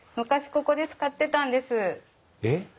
えっ？